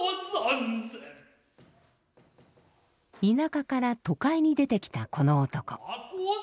田舎から都会に出てきたこの男。